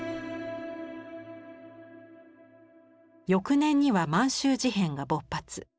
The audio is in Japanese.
翌年には満州事変が勃発。